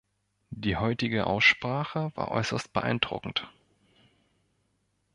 Die heutige Aussprache war äußerst beeindruckend.